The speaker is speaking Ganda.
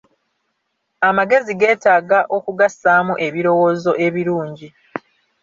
Amagezi geetaaga okugassaamu ebirowoozo ebirungi.